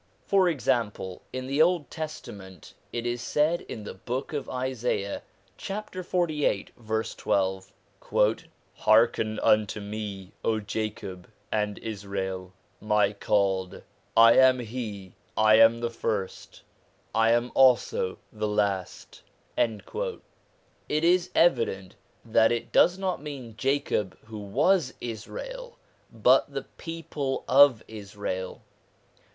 For example, in the Old Testament it is said in the Book of Isaiah, chapter 48, verse 12 :' Hearken unto Me, O Jacob and Israel, My called, I am He; I am the first, I also am the last.' It is evident that it does not mean Jacob who was Israel, but the people of Israel.